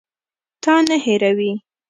تا نه هېروي.